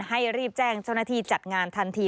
รีบแจ้งเจ้าหน้าที่จัดงานทันที